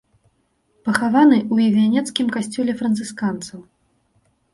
Пахаваны ў івянецкім касцёле францысканцаў.